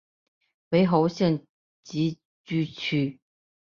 为侯姓集居区。